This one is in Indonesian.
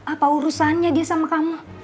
apa urusannya dia sama kamu